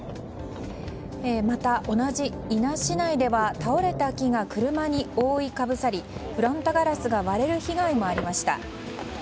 また、同じ伊那市内では倒れた木が車に覆いかぶさりフロントガラスが割れる被害もありました。